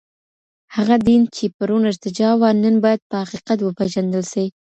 هغه دين چي پرون ارتجاع وه، نن بايد په حقيقت وپېژندل سي.